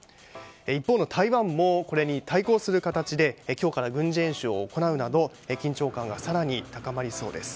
一方の台湾もこれに対抗する形で今日から軍事演習を行うなど緊張感が更に高まりそうです。